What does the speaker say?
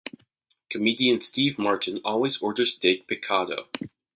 Comedian Steve Martin always orders steak picado.